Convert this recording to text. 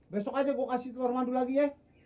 besok aja gue kasih telur mandu lagi ya